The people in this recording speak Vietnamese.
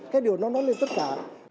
các điều nó đón lên tất cả